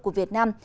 của việt nam